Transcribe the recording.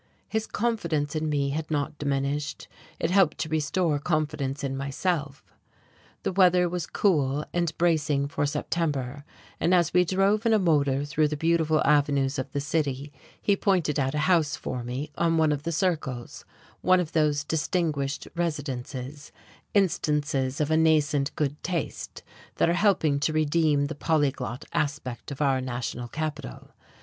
His confidence in me had not diminished. It helped to restore confidence in myself. The weather was cool and bracing for September, and as we drove in a motor through the beautiful avenues of the city he pointed out a house for me on one of the circles, one of those distinguished residences, instances of a nascent good taste, that are helping to redeem the polyglot aspect of our national capital.